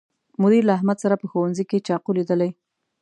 مدیر له احمد سره په ښوونځي کې چاقو لیدلی